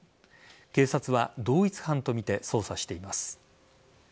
警察は同一犯とみて捜査しています。